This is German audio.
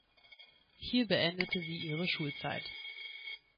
Hier beendete sie ihre Schulzeit.